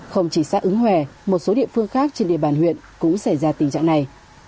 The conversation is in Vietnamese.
không chỉ xã ứng hòe một số địa phương khác trên địa bàn huyện cũng xảy ra tình trạng này